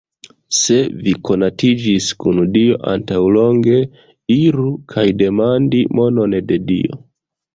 Se vi konatiĝis kun Dio antaŭlonge, iru kaj demandi monon de Dio